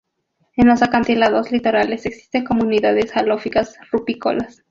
En los acantilados litorales existen comunidades halófilas-rupícolas.